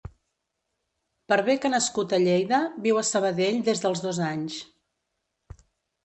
Per bé que nascut a Lleida, viu a Sabadell des dels dos anys.